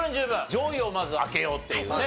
上位をまず開けようっていうね